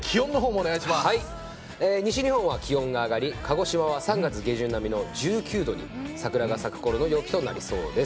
西日本は気温が上がり鹿児島は３月下旬並みの１９度桜が咲くころの陽気となりそうです。